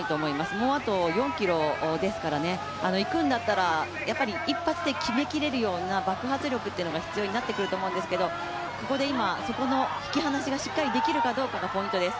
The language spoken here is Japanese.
もうあと４ｋｍですからね、いくんだったら、一発で決めきれるような爆発力が必要になってくると思うんですがここで今、そこの引き離しがしっかりできるかどうかがポイントです。